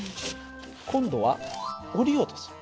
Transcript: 今度は下りようとする。